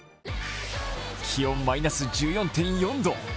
気温マイナス１４．４度。